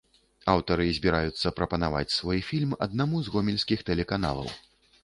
Аўтары збіраюцца прапанаваць свой фільм аднаму з гомельскіх тэлеканалаў.